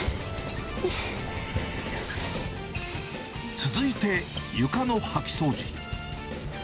続いて、床の掃き掃除。